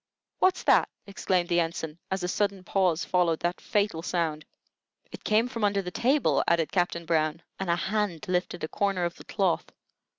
"What's that?" exclaimed the Ensign, as a sudden pause followed that fatal sound. "It came from under the table," added Captain Brown, and a hand lifted a corner of the cloth.